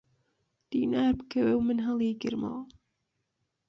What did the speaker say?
دینار بکەوێ و من هەڵیگرمەوە!